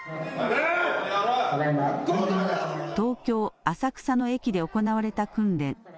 東京、浅草の駅で行われた訓練。